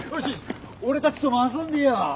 俺たちとも遊んでよね？